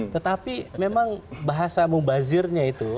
tetapi memang bahasa mubazirnya itu